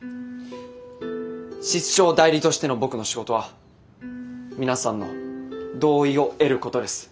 室長代理としての僕の仕事は皆さんの同意を得ることです。